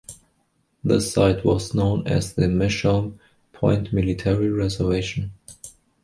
This site was known as the Mishaum Point Military Reservation.